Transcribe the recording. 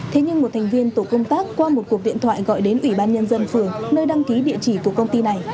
thế nhưng một thành viên tổ công tác qua một cuộc điện thoại gọi đến ủy ban nhân dân phường nơi đăng ký địa chỉ của công ty này